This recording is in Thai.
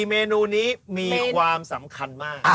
เมนูนี้มีความสำคัญมาก